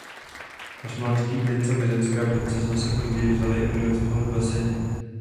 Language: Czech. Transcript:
Osmanský princ a byzantská princezna se později vzali a měli spolu dva syny.